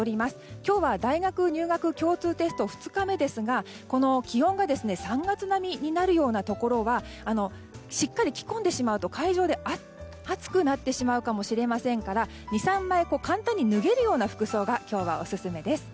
今日は大学入学共通テスト２日目ですが気温が３月並みになるようなところはしっかり着込んでしまうと会場で暑くなってしまうかもしれませんから２３枚簡単に脱げるような服装が今日はオススメです。